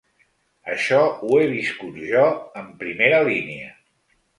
Això ho he viscut jo en primera línia.